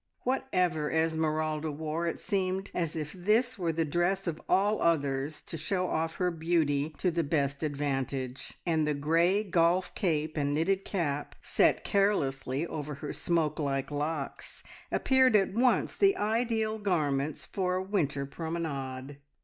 Whatever Esmeralda wore, it seemed as if this were the dress of all others to show off her beauty to the best advantage; and the grey golf cape and knitted cap, set carelessly over her smoke like locks, appeared at once the ideal garments for a winter promenade.